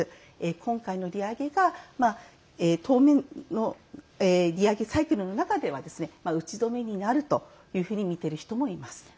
今回の利上げが当面の利上げサイクルの中では打ち止めになるとみている人もいます。